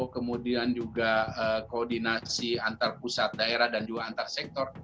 kemudian juga koordinasi antar pusat daerah dan juga antar sektor